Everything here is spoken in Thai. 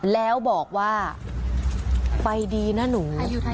แล้วบอกว่าไปดีนะหนู